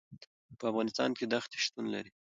په افغانستان کې دښتې شتون لري.